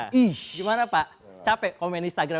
gimana pak capek komen instagram